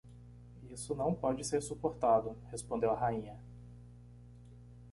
Isso não pode ser suportado! Respondeu a rainha.